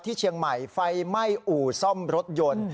ที่เชียงใหม่ไฟไหม้อู่ซ่อมรถยนต์